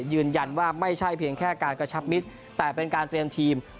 ยืนยันว่าไม่ใช่เพียงแค่การกระชับมิตรแต่เป็นการเตรียมทีม